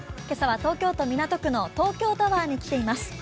今朝は東京都港区の東京タワーに来ています。